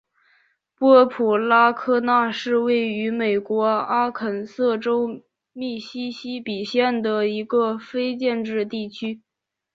波普拉科纳是位于美国阿肯色州密西西比县的一个非建制地区。